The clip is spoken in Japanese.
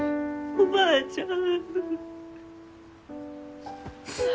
おばあちゃん。